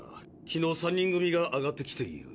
昨日３人組が挙がってきている。